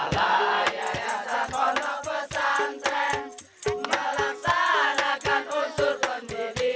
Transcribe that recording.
pala yaya takwana pesanten melaksanakan unsur pendidikan